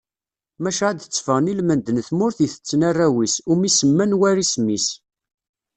Maca ad d-tefɣen ilmend n tmurt i tetten arraw-is, umi semman war isem-is.